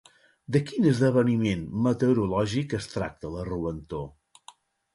De quin esdeveniment meteorològic es tracta la roentor?